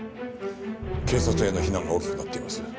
警察への非難が大きくなっています。